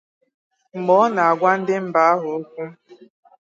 Mgbe ọ na-agwa ndị mba ahụ okwu